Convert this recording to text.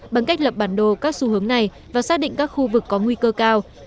bằng cách lập bản đồ các xu hướng này và xác định các khu vực có nguy cơ cao